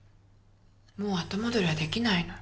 もう後戻りは出来ないの。